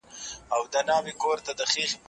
ماشوم په کوڅه کې لوبې کوي